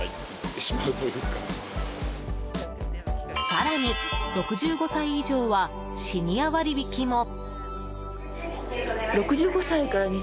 更に、６５歳以上はシニア割引も。